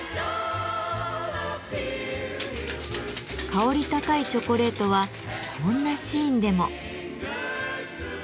香り高いチョコレートはこんなシーンでも。